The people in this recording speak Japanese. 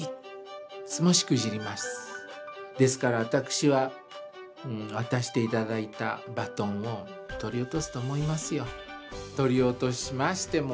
ですから私は渡して頂いたバトンを取り落とすと思いますよ。